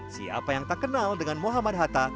siapa yang tak kenal dengan muhammad hatta